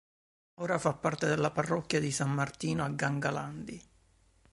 Ora fa parte della parrocchia di San Martino a Gangalandi.